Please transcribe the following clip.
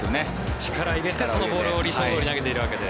力を入れて、そのボールを理想どおり投げているわけで。